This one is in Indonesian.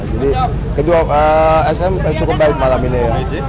jadi sm cukup baik malam ini ya